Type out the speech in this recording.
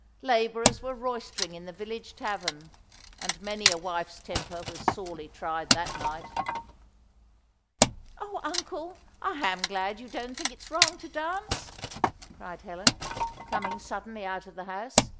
Labourers were roystering in the village tavern, and many a wife's temper was sorely tried that night. "O Uncle, I am glad you don't think it's wrong to dance!" cried Helen, coming suddenly out of the house.